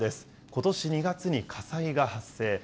ことし２月に火災が発生。